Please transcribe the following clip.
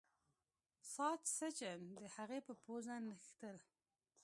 ساسچن د هغې په پوزه نښتل.